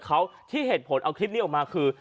เขาที่เหตุผลเอาคลิปนี้ออกมาคือ